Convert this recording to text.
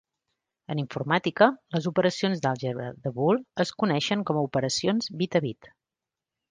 En informàtica, les operacions d'àlgebra de Boole es coneixen com a "operacions bit a bit".